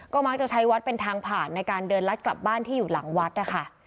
มักจะใช้วัดเป็นทางผ่านในการเดินลัดกลับบ้านที่อยู่หลังวัดนะคะ